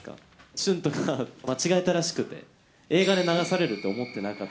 シュントが間違えたらしくて、映画で流されると思ってなかった。